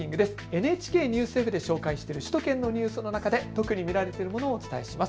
ＮＨＫＮＥＷＳＷＥＢで紹介している首都圏のニュースの中で特に見られているものをお伝えします。